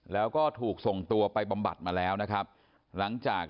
แล้วก็ถูกทรงตัวไปบำบัติมาแล้วนะครับ